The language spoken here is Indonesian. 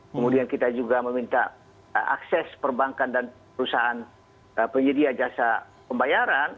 kemudian kita juga meminta akses perbankan dan perusahaan penyedia jasa pembayaran